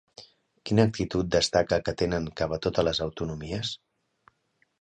Quina actitud destaca que tenen cap a totes les autonomies?